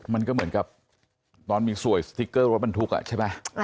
มันก็เหมือนกับตอนมีสวยสติ๊กเกอร์รถบรรทุกใช่ไหม